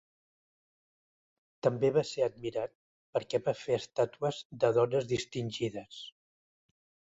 També va ser admirat perquè va fer estàtues de dones distingides.